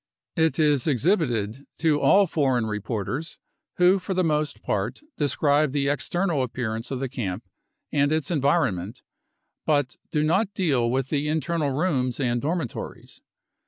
It is exhibited to all foreign reporters, who for the most part describe the external appearance of the camp and its environment but do not deal with the internal rooms and dormitories.